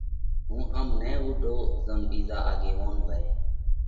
هُون ام نھ وُوڍو زم ٻِيزا آڳيوون وئھ۔